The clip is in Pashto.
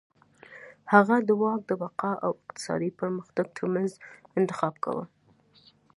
هغه د واک د بقا او اقتصادي پرمختګ ترمنځ انتخاب کاوه.